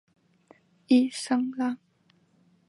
伊桑拉。